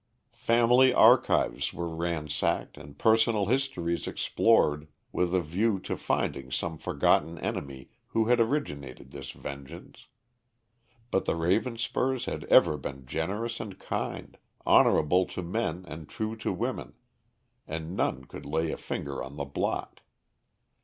Family archives were ransacked and personal histories explored with a view to finding some forgotten enemy who had originated this vengeance. But the Ravenspurs had ever been generous and kind, honorable to men and true to women, and none could lay a finger on the blot.